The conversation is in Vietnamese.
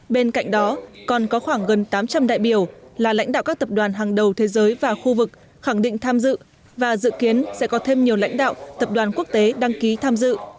bên cạnh đó còn có khoảng gần tám trăm linh đại biểu là lãnh đạo các tập đoàn hàng đầu thế giới và khu vực khẳng định tham dự và dự kiến sẽ có thêm nhiều lãnh đạo tập đoàn quốc tế đăng ký tham dự